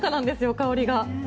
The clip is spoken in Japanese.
香りが。